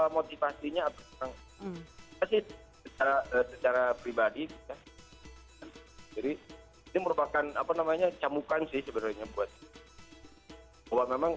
motivasinya pasti secara pribadi jadi merupakan apa namanya camukan sih sebenarnya buat memang